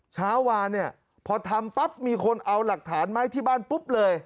เช้าวานเนี่ยพอทำปั๊บมีคนเอาหลักฐานมาให้ที่บ้านปุ๊บเลย